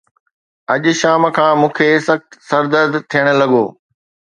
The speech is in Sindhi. اڄ شام کان مون کي سخت سر درد ٿيڻ لڳو